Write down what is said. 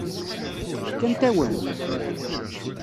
Fkant-awen-t?